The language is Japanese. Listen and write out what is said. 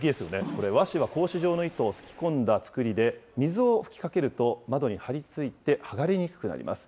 これ、和紙は格子状の意図をすき込んだ作りで、水を吹きかけると、窓に貼り付いて剥がれにくくなります。